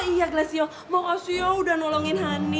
oh iya glassio makasih ya udah nolongin hani